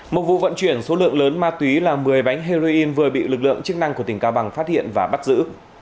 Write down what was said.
một vụ vận chuyển số lượng lớn ma túy là một mươi bánh heroin vừa bị lực lượng chức năng của tỉnh cao bằng phát hiện và bắt giữ